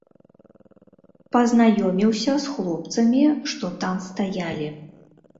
Пазнаёміўся з хлопцамі, што там стаялі.